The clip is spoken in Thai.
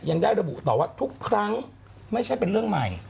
ยังได้ระบุต่อว่าทุกครั้งไม่ใช่เป็นเรื่องใหม่